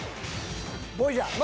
ボイジャー。